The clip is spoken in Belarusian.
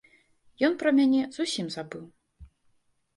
Ён пра мяне зусім забыў.